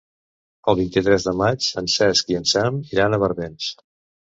El vint-i-tres de maig en Cesc i en Sam iran a Barbens.